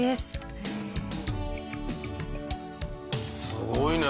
すごいね！